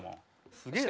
すげえな。